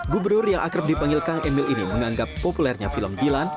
gubernur yang akrab dipanggil kang emil ini menganggap populernya film dilan